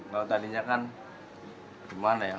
kalau tadinya kan gimana ya